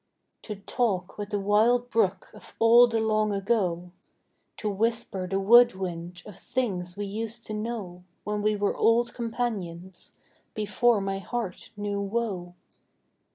To talk with the wild brook of all the long ago; To whisper the wood wind of things we used to know When we were old companions, before my heart knew woe.